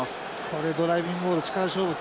これドライビングモール力勝負